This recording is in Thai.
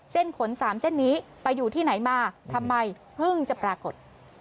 ขน๓เส้นนี้ไปอยู่ที่ไหนมาทำไมเพิ่งจะปรากฏ